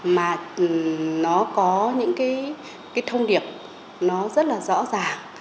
mà nó có những cái thông điệp nó rất là rõ ràng